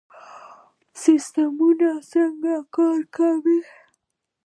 سیستمونه څنګه کار کوي؟